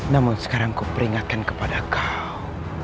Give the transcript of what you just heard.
namun sekarang kau peringatkan kepada kau